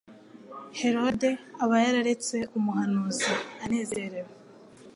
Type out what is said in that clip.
Herode aba yararetse umuhanuzi anezerewe.